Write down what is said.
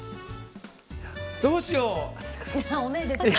どうしよう。